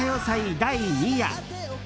第２夜。